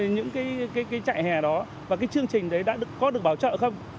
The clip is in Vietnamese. những cái chạy hè đó và cái chương trình đấy có được bảo trợ không